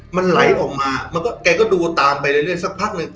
มันไหลออกมามันก็แกก็ดูตามไปเรื่อยสักพักหนึ่ง